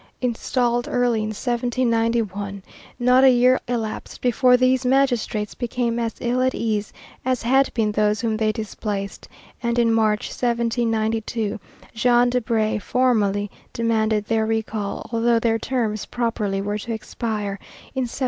Installed early in 1791, not a year elapsed before these magistrates became as ill at ease as had been those whom they displaced, and in March, 1792, Jean Debry formally demanded their recall, although their terms properly were to expire in 1796.